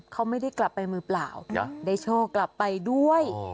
เขาไม่ได้กลับไปมือเปล่าได้โชคกลับไปด้วย